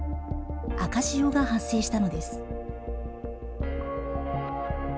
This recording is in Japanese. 赤潮が発生したのです。